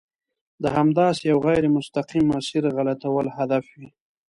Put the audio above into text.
د همداسې یوه غیر مستقیم مسیر غلطول هدف وي.